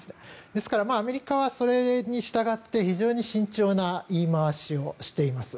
ですから、アメリカはそれに従って非常に慎重な言い回しをしています。